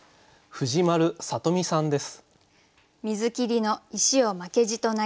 藤丸智美さんです。